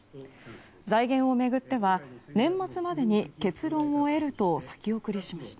財源を巡っては、年末までに結論を得ると先送りしました。